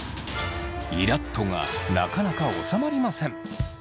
「イラっと」がなかなか収まりません。